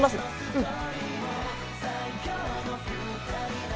うん